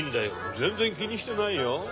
全然気にしてないよ。